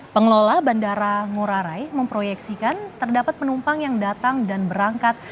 pengelola bandara ngurah rai memproyeksikan terdapat penumpang yang datang dan berangkat